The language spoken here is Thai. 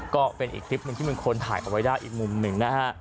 ก็เป็นอีกคลิปหนึ่งที่เป็นคนถ่ายเอาไว้ได้อีกมุมหนึ่งนะฮะ